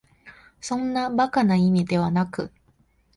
そんな馬鹿な意味ではなく、